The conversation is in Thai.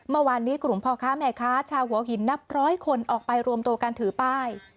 เมื่อวานนี้กลุ่มพ่อค้าแม่ค้าชาวหัวหินนับร้อยคนออกไปรวมตัวการถือป้าย